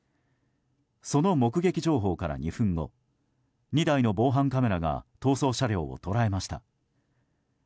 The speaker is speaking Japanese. その目撃情報から２分後２台の防犯カメラが逃走車両を捉えました。